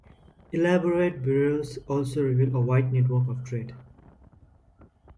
Elaborate burials also reveal a wide network of trade.